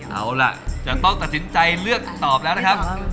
เอาล่ะจะต้องตัดสินใจเลือกตอบแล้วนะครับ